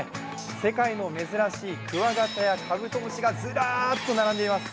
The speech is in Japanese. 世界の珍しいクワガタやカブトムシがずらっと並んでいます。